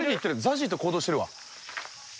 ＺＡＺＹと行動してるわ。